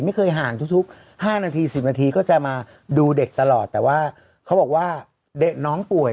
ไม่เคยห่างทุก๕นาที๑๐นาทีก็จะมาดูเด็กตลอดแต่ว่าเขาบอกว่าเด็กน้องป่วย